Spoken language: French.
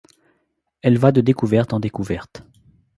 Elle va de découverte en découverte...